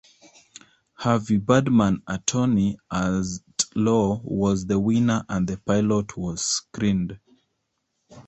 Harvey Birdman Attorney at Law was the winner and the pilot was screened.